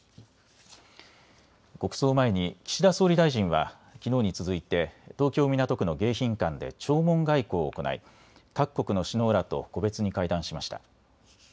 国葬を前に岸田総理大臣はきのうに続いて東京港区の迎賓館で弔問外交を行い各国の首脳らと個別に会談しました。